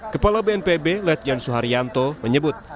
kepala bnpb ledjan soeharyanto menyebut